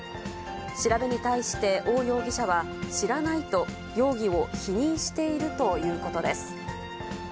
調べに対して、翁容疑者は、知らないと容疑を否認しているということです。